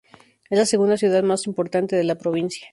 Es la segunda ciudad más importante de la provincia.